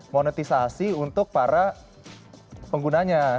monetisasi untuk para penggunanya